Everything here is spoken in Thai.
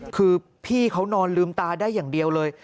คือพี่เขานอนลืมตาได้อย่างเดียวเลย